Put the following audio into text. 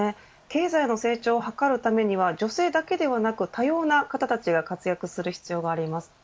経済の成長を図るためには女性だけではなく多様な方たちが活躍する必要があります。